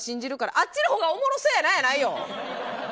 あっちのほうがおもろそやなやないよ！